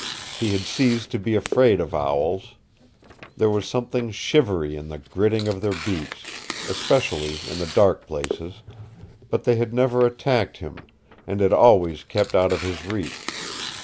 He had ceased to be afraid of owls. There was something shivery in the gritting of their beaks, especially in the dark places, but they had never attacked him, and had always kept out of his reach.